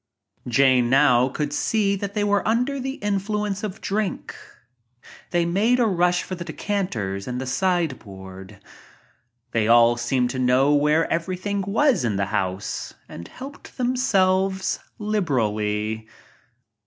Jane now could see that they were under the in fluence of drink. They made a rush for the decan ters and the sideboard. They all seemed to know where everything was in the house and helped themselves liberally.